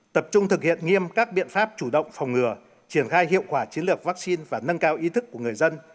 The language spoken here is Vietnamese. tập trung thực hiện nghiêm các biện pháp chủ động phòng ngừa triển khai hiệu quả chiến lược vaccine và nâng cao ý thức của người dân